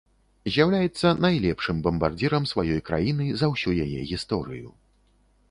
З'яўляецца найлепшым бамбардзірам сваёй краіны за ўсю яе гісторыю.